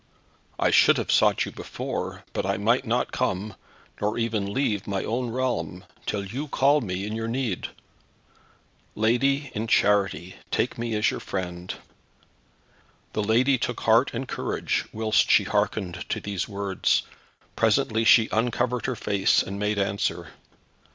I should have sought you before, but I might not come, nor even leave my own realm, till you called me in your need. Lady, in charity, take me as your friend." The lady took heart and courage whilst she hearkened to these words. Presently she uncovered her face, and made answer.